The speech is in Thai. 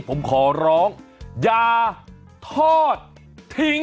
ผมขอร้องอย่าทอดทิ้ง